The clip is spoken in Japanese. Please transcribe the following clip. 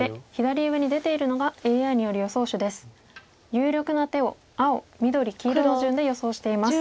有力な手を青緑黄色の順で予想しています。